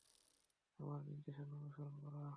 আমার নির্দেশনা অনুসরণ করো।